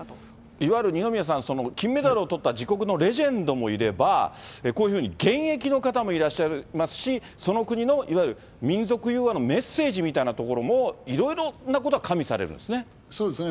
いわゆる二宮さん、金メダルをとった自国のレジェンドもいれば、こういうふうに現役の方もいらっしゃいますし、その国のいわゆる民族融和のメッセージみたいなところも、いろいろなことが加味されるんですね。